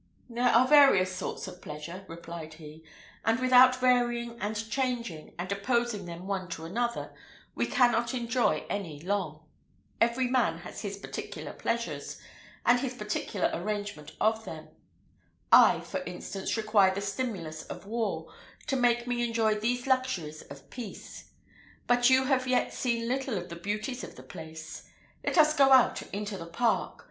"There are various sorts of pleasure," replied he, "and without varying, and changing, and opposing them one to another, we cannot enjoy any long. Every man has his particular pleasures, and his particular arrangement of them. I, for instance, require the stimulus of war, to make me enjoy these luxuries of peace. But you have yet seen little of the beauties of the place. Let us go out into the park.